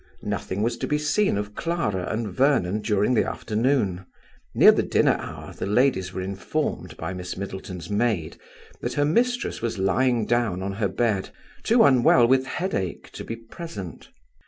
Nothing was to be seen of Clara and Vernon during the afternoon. Near the dinner hour the ladies were informed by Miss Middleton's maid that her mistress was lying down on her bed, too unwell with headache to be present.